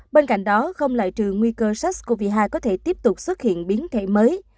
bên cạnh đó không loại trừ nguy cơ sars cov hai có thể tiếp tục xuất hiện biến thể mới